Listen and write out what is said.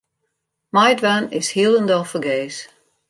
Meidwaan is hielendal fergees.